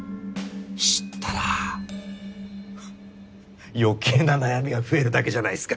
知ったらふっ余計な悩みが増えるだけじゃないっすか。